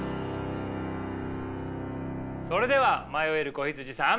それでは迷える子羊さん。